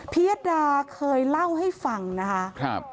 พิยดาเคยเล่าให้ฟังนะครับ